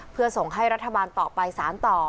เพื่อส่งให้รัฐบาลต่อไปสารต่อ